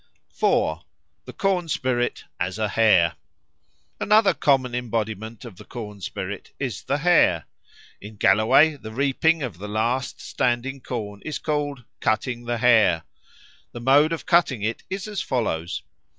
4. The Corn spirit as a Hare ANOTHER common embodiment of the corn spirit is the hare. In Galloway the reaping of the last standing corn is called "cutting the Hare." The mode of cutting it is as follows.